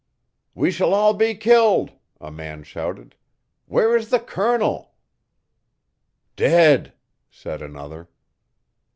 'We shall all be killed!' a man shouted. 'Where is the colonel?' 'Dead,' said another.